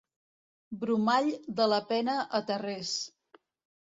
Bromall de la Pena a Tarrés.